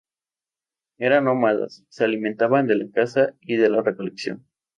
Eran nómadas, se alimentaban de la caza y de la recolección.